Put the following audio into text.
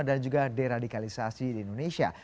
dan juga deradikalisasi di indonesia